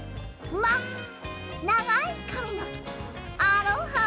まあながいかみのアロハ！